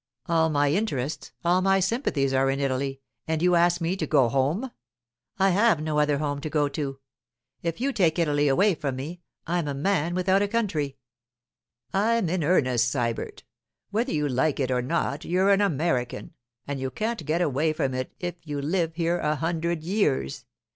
All my interests, all my sympathies, are in Italy, and you ask me to go home! I have no other home to go to. If you take Italy away from me, I'm a man without a country.' 'I'm in earnest, Sybert. Whether you like it or not, you're an American, and you can't get away from it if you live here a hundred years.